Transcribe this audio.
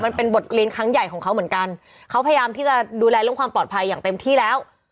มันเป็นบทเรียนครั้งใหญ่ของเขาเหมือนกันเขาพยายามที่จะดูแลเรื่องความปลอดภัยอย่างเต็มที่แล้ว